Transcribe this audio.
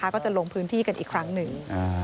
ก็จะลงพื้นที่กันอีกครั้งหนึ่ง